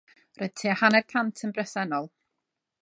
Roedd tua hanner cant yn bresennol.